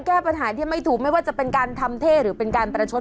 แก้ปัญหาที่ไม่ถูกไม่ว่าจะเป็นการทำเท่หรือเป็นการประชด